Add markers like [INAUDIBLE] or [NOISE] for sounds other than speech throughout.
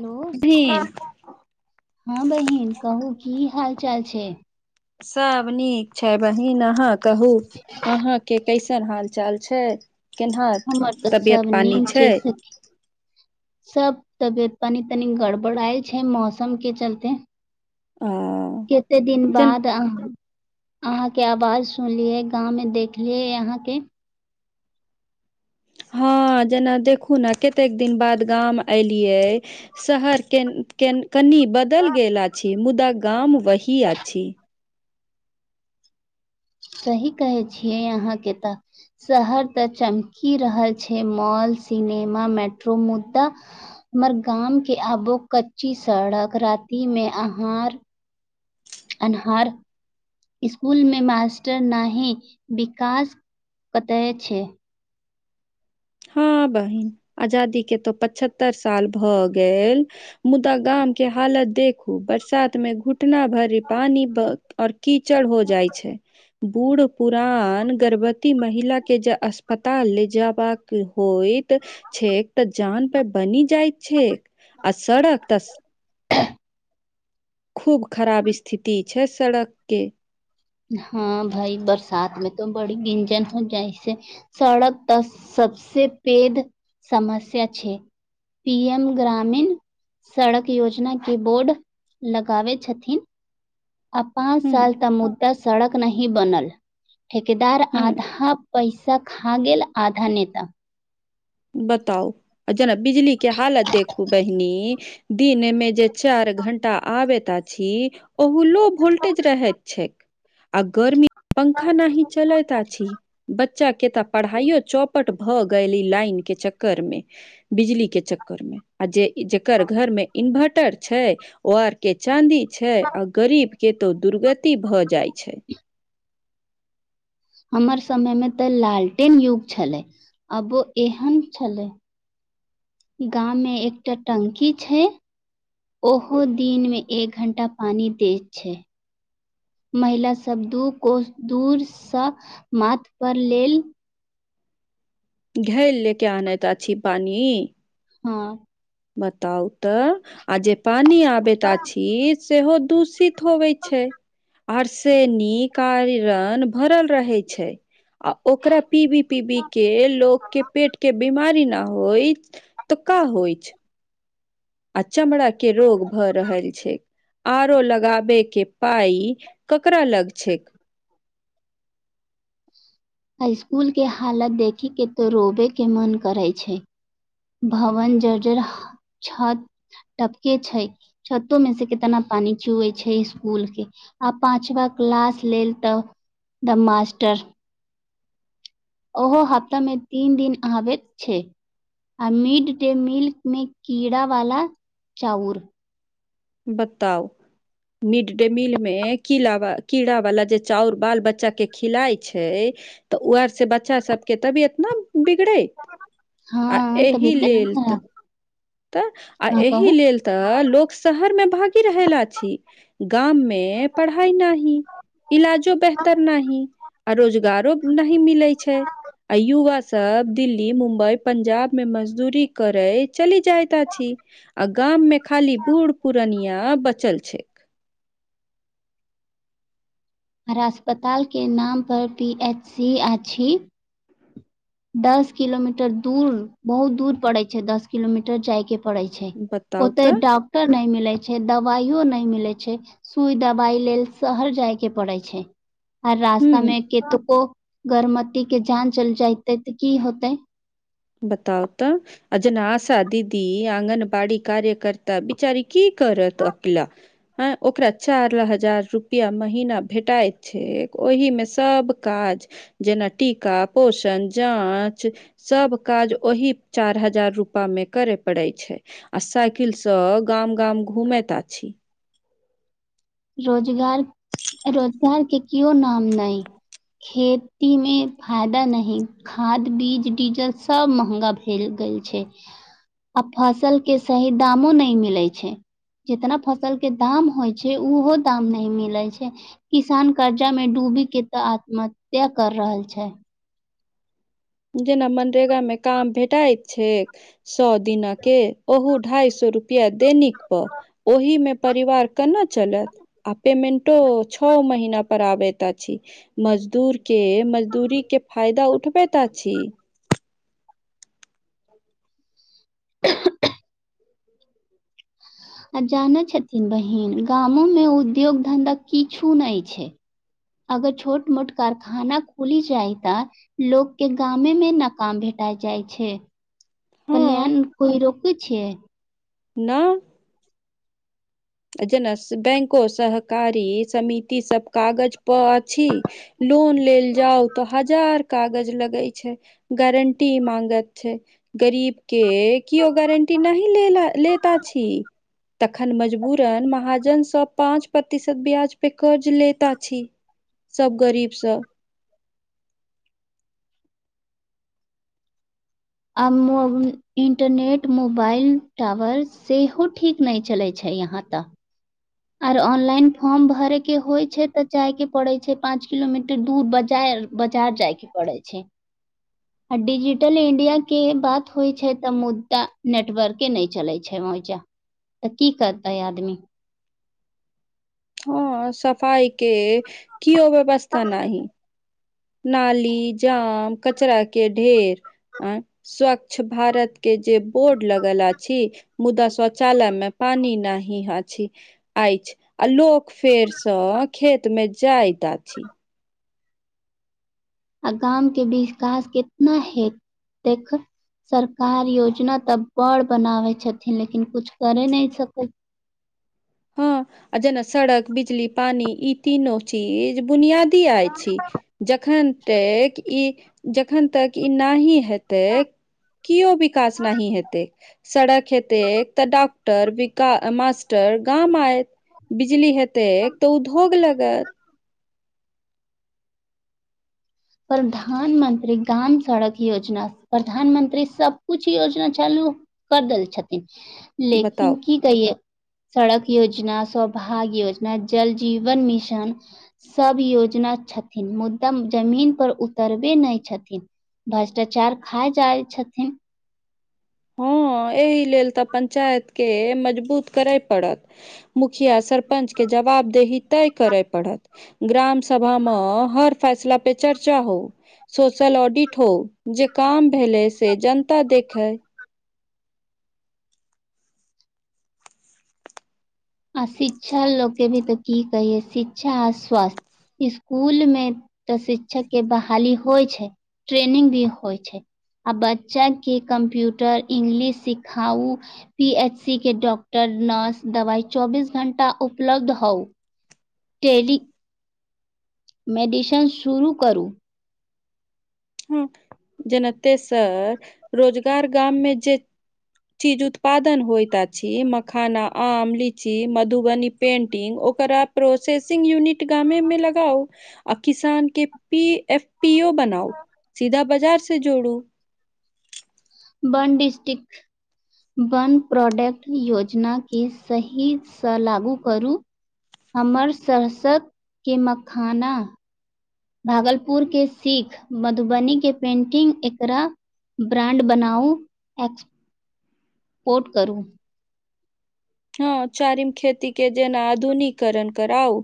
Hello बहिन हँ बहिन कहू की हाल चाल छै सब नीक छै बहिन अहाँ कहू अहाँके कैसे केन हाल चाल छै केनाह हमर तऽ सब तबियत नीक पानी छै सखी सब तबियत पानी तनि गड़बड़इत छै मौसम के चलते आ कते दिन जेन बाद अहाँ अहाँ के आवाज सुनलियै गाँव में देखलियै यहाँ के हँ जेना देखू ने कतेक दिन बाद गाम एयलियै शहर केन केन कनि बदलि गेल अछि मुदा गाम वही अछि सही कहै छियै यहाँके तऽ शहर तऽ चमकी रहल छै मॉल सिनेमा मेट्रो मुद्दा हमर गाम के आबो कच्ची सड़क राति मे अहारहार अनहार स्कुल मे मास्टर नहि ही विकास कतय छै हँ बहिन आजादी के तो पचहत्तर साल भऽ गेल मुदा गाम के हालत देखू बरसात मे घुटना भरि पानी और कीचड़ हो जाइ छै बूढ़ पुरान गर्भवती महिलाके अस्पताल ले जयबाक होयत छैक तऽ जान पे बनि जाइत छै आ सड़क त [UNINTELLIGIBLE] खूब खराब स्थिति छै सड़कके हँ भाइ बरसात में तो बड़ी गञजन हो जाइसे सड़क तऽ सबसे पेघ समस्या छै पी एम ग्रामीण सड़क योजना के बोर्ड लगाबै छथिन आ पाँंच हूँ साल तऽ मुद्दा सड़क नहीं बनल ठेकेदार हूँ आधा पैसा खा गेल आधा नेता बताउ आ जेरा बिजली के हालत देखू बहिनी दिन मे जे चार घंटा आबैत छी ओह लोभ वोल्टेज रह छै आ गरमी पंखा न ही चलैत अछि छी बच्चा के तऽ पढ़ाइो चौपट भऽ गेल ई लाइन के चक्कर मे बिजली के चक्कर मे आ जे जेकर घर मे इन्वर्टर छै ओ आर के चाँदी छै आ गरीब केतौ दुर्गति भऽ जाइत छै हमर समय में तऽ लालटेन युग छले अबो एहन छले गाम मे एकटा टंकी छै ओहो दिनमे एक घण्टा पानि दैत छै महिला सब दू को दूरसँ माथ पर लेल घेले लऽ के आनैतैत अछी पानि हँ बताउ तऽ आ जे पानी आबैत आछी सेहो दूषित होबै छै आर से निकन आयरण भरल रहे छै आ ओकरा पीबी पीबी के लोक के पेट के बीमारी न होइ त का होइ छै आ चमड़ा के रोग भऽ रहल छै आरो लगाबे के पाई ककरा लग छै स्कूल के हालत देखी के तो रोवे के मन करे छै भवन जर्जर छत टपके छै छतो मे से कितना पानी चुवै छै इसकुल के आ पाचवा क्लास लेल तऽ द मास्टर ओहो हफ्तामे तीन दिन आबैत छै आ मिड डे मील में कीड़ा वाला चाउर बताउ मिड डे मील मे कीड़ कीड़ा वाला जे चाउर बाल बच्चा के खिलााय छै तऽ उर से बच्चा सबके तभी एतना बिगड़ै आ हँ एहि तबीयते न लेल तऽ खराब तऽ आ हँ कहू एहि लेल तऽ लोग शहर मे भागि रहल छी गाम मे पढ़ाई नाहि इलाजो बेहतर न आ रोजगारो नही मिलै छै आ युवा सब दिल्ली मुम्बई पंजाब में मजदूरी करे चलि जायता छी आ गाम में खाली बूढ़ पुरनिया बचल छै हमरा अस्पतालके नामपर पी एच सी अछि दस किलोमीटर दूर बहुत दूर पड़े छै दस किलोमीटर जाय के पड़ै छै बताउ ओते तऽ डॉक्टर नहि मिलै छै दबाइयो नहि मिलै छै सुई दबाई लेल शहर जायके पड़ैत छै आर हूँ रास्ता मे कतको गर्भमती के जान चल जायते तऽ की होते बताउ तऽ अजन आ दीदी अंगनबाड़ी कार्य करता बिचारी की करत अकेला आँ ओकरा चारि हजार रुपैआ महिना भेटाइत छै ओहिमे सब काज जेना टीका पोषण जाँच सब काज ओही चारि हजार रुपामे करय पड़ैत छै आ साइकिलसँ गाम गाम घूमैत आछि रोजगार रोजगार के केओ नाम नहि खेतीमे फायदा नहि खाद बीज डीजल सब महगा भेल गेल छै आ फसल के सही दामो नहि मिलैत छै जितना फसल के दाम होइ छै ओहो दाम नहि मिलैत छै किसान कर्जा में डूबी के त आत्महत्या कर रहल छै जेना मनरेगा मे काम भेटाइत छै सए दिनक के ओहू ढाई सए रुपया दैनिक प ओहि मे परिवार केना चलत आ पेमेटो छ महिना पर आब त छी मजदूर के मजदूरीके फायदा उठबैत अछि [INAUDIBLE] ह [UNINTELLIGIBLE] कहां जाने छथिन बहिन गामो में उद्योग धंधा किछु नहि छै अगर छोट मोट कारखाना खोली जाइ त लोक के गामे मे नाकाम भेटा जाइ छै हँ प्लन कोइ रोकक छै ना जना बैंको सहकारी समिति सभ कागज पर कहती अछि लोन लेल जाउ तऽ हजार कागज लगेगै छै गारंटी मागत छै गरीब के केओ गारंटी नहि लेता छी तखन मजबू महाजनसँ पाँच प्रतिशत ब्याजपे कर्ज लैत अछि सब गरीबसँ आ इंटरनेट मोबाइल टावर सेहो ठीक नहि चलै छै यहाँ तक आर ऑनलाइन फॉर्म भरे के होय छै ते जाय के पड़े छै पांच किलोमीटर दूर बजार बजार जायके पड़ै छै [INAUDIBLE] आ डिजिटल इंडियााक के बात होइ छै तऽ मुद्दा नेटवर्के नहि चलै छै तऽ की करतै आदमी हँ सफाइक कोनो व्यवस्था नहि नाली जाम कचरा के ढेर अं स्वच्छ भारत के जे बोर्ड लगल अछि मुदा शौचालय मे पानी नहि अछि आछी फेरसँ खेत मे जाइत आछि आ गामक विकास कतेक अछि देखू सरकार योजना तऽ बड़ बनाबै छथिन लेकिन कुछ करय न सकत हँ आ जेना सड़क बिजली आ पानि ई तीनू बुनियादी छी जखन तक ई जखन तक ई न है [UNINTELLIGIBLE] हेतै केओ विकास नहि हेतै सड़क हेतै मास्टर गाम आय बिजली हेते तऽ उ भोग लगत प्रधानमंत्री ग्राम सड़क योजना प्रधानमंत्री सब कुछ योजना चालू कर देल छथिन बताउ लेकिन कि कहिये सड़क योजना सौभाग्य योजना आ जल जीवन मिशन। सभ योजना छथिन मुद्दा जमीन पर उतरबैत नहि छथि भ्रष्टाचार खा जाइत छथि। हँ एहि लेल तऽ पञ्चायत के मजबूत करय पड़त मुखिया सरपंचके जवाबदेही तय करय पड़त ग्राम सभामे हर फैसलापर चर्चा हो सोशल ऑडिट हो जे काज भेल अछि से जनता देखए। आ शिक्षा लोक के भी तऽ की कहिय शिक्षा आ स्वास्थ्य स्कूल में तऽ शिक्षक के बहाली होइ छै ट्रैनिंग भी होइ छै आ बच्चाके कम्प्यूटर इंग्लिश सिखाउ पी एच सी के डॉक्टर नर्स दवाइ चौबिस घंटा उपलब्ध हउ टेली मेडिसन शुरू करू हँ जेना तेसर रोजगार गाममे जे चीज उत्पादन होइत छी मखाना आम लीची मधुबनी पेंटिंग ओकरा प्रोसेसिंग यूनिट गामेे मे लगाओ आ किसान के पी एफ पियो बनाउ सीधा बाजार से जोड़ू बनडिस्ट्रिक्ट बन प्रोडक्ट योजना केँ सही सँ लागू करू हमर सहसकके मखाना भागलपुर के सीख मधुबनी के पेन्टिंग एकरा ब्रांड बनाउ एक्स पोट करू हँ चारिम खेती के जेना आधुनिकरण करउ।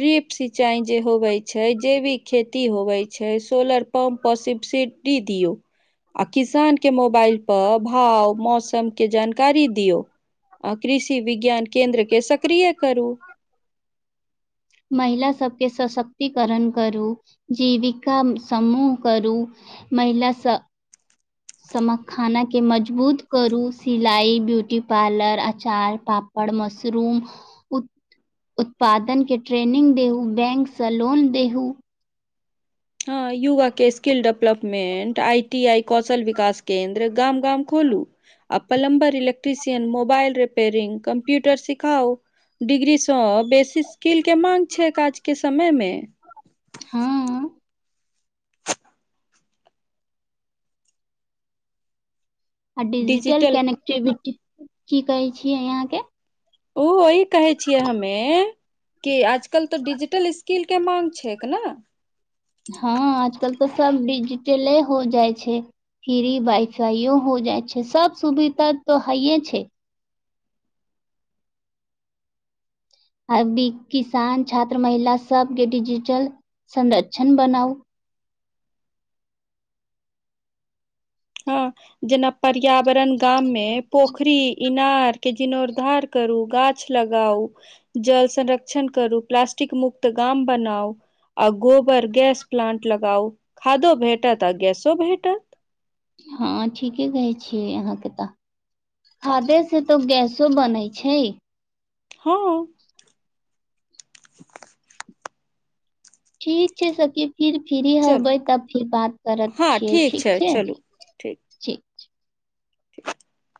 ड्रिप सिंचाई जे होबै छै जे भी खेती होबै छै सोलर पम्पसिप सिडी दिऔ आ किसान के मोबाइल पर भाव मौसम के जानकारी दियौ आ कृषि विज्ञान केन्द्रके सक्रिय करू महिला सबकेँ सशक्तिकरण करू जीविका समूह करू महिला सब खानाके मजबूत करू सिलाइ ब्यूटी पार्लर अचार बर मशरूम उत उत्पादन के ट्रेनिंग देहू बैंक से लोन देहू हँ युवा के स्किल डेवलपमेंट आई इ आइ कौशल विकास केंन्द्र गाम गाम खोलू आ plumber electrician mobile repairing computer सिखाओ डिग्रीसँ बेसी स्किल मांग छै काजक समयमे हँ आ डिजिटल कनेक्टिविटी की कहै छीयै अहाँ के ओ वही कहे छियै हमे कि आजकल तऽ डिजिटल कीलके माँग छैक ने हँ आजकल तऽ सब डिजिटले हो जाइ छै फ्री वाइफाइयो हो जाय छै सब सुविधा तो हेय छै अभी किसान छात्र महिला सबके डिजिटल संरक्षण बनाउ हँ जेना पर्यावरण गाम मे पोखरी इनार के जीर्णोर्द्धार करू गाछ लगाउ। जल संरक्षण करू प्लास्टिक मुक्त गाम बनाउ आ गोबर गैस प्लांट लगाउ खादो भेटत आ गैसो भेटत हँ ठीके कहै छियै अहाँके तऽ खादे से तो गैसो बनै छै हँ ठीक छै सखी फिर फ्री चल हबै तब फिर बात करैत छियै ठीक छै ठीक ठीक। [INAUDIBLE]